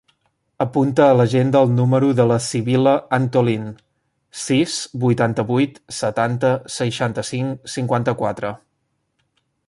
Apunta a l'agenda el número de la Sibil·la Antolin: sis, vuitanta-vuit, setanta, seixanta-cinc, cinquanta-quatre.